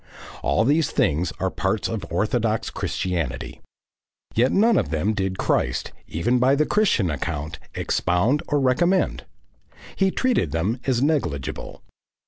All these things are parts of orthodox Christianity. Yet none of them did Christ, even by the Christian account, expound or recommend. He treated them as negligible.